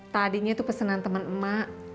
tadinya tuh pesenan temen emak